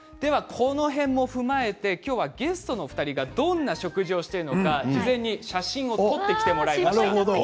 この辺を踏まえてゲストの２人がどんな食事をしているのか事前に写真を撮ってもらいました。